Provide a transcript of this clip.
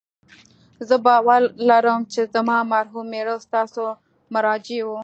زه باور لرم چې زما مرحوم میړه ستاسو مراجع و